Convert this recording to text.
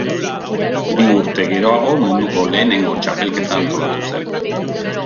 Bi urte geroago munduko lehenengo txapelketa antolatu zen.